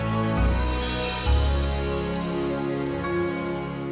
sampai jumpa lagi